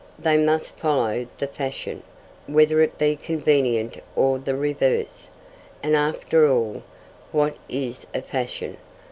They must follow the fashion, whether it be convenient or the reverse. And, after all, what is a fashion?